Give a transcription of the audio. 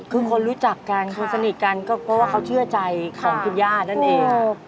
คือคนรู้จักกันคนสนิทกันก็เพราะว่าเขาเชื่อใจของคุณย่านั่นเอง